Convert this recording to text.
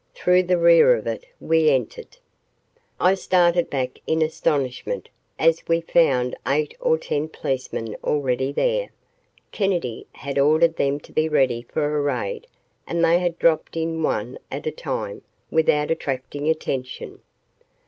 Through the rear of it we entered. I started back in astonishment as we found eight or ten policemen already there. Kennedy had ordered them to be ready for a raid and they had dropped in one at a time without attracting attention.